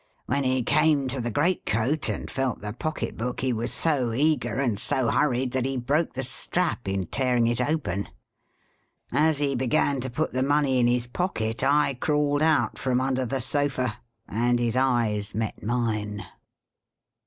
When he came to THE great coat, and felt the pocket book, he was so eager and so hurried that he broke the strap in tearing it open. As he began to put the money in his pocket, I crawled out from under the sofa, and his eyes met mine.